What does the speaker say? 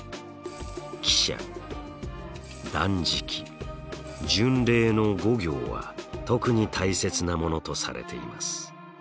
喜捨断食巡礼の五行は特に大切なものとされています。